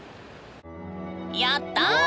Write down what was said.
やった！